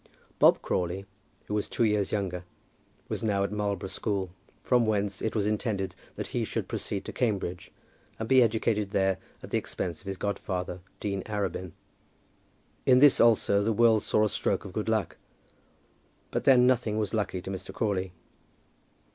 Bob Crawley, who was two years younger, was now at Marlbro' School, from whence it was intended that he should proceed to Cambridge, and be educated there at the expense of his godfather, Dean Arabin. In this also the world saw a stroke of good luck. But then nothing was lucky to Mr. Crawley.